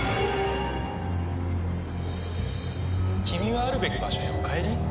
君はあるべき場所へお帰り。